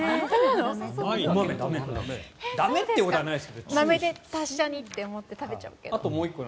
まめで達者にと思って食べちゃうけど。